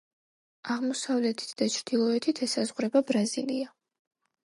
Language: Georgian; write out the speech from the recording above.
აღმოსავლეთით და ჩრდილოეთით ესაზღვრება ბრაზილია.